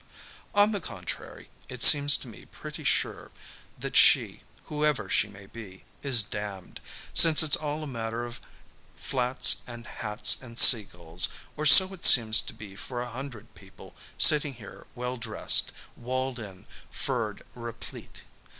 On the contrary, it seems to me pretty sure that she, whoever she may be, is damned, since it's all a matter of flats and hats and sea gulls, or so it seems to be for a hundred people sitting here well dressed, walled in, furred, replete.